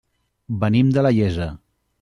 Venim de la Iessa.